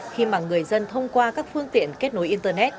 khi mà người dân thông qua các phương tiện kết nối internet